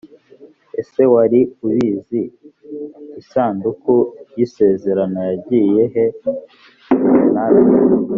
Ese wari ubizi Isanduku y isezerano yagiye he Umunara